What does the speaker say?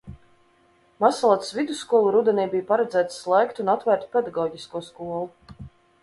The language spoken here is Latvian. Mazsalacas vidusskolu rudenī bija paredzēts slēgt un atvērt pedagoģisko skolu.